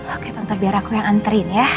oke tante biar aku yang anterin ya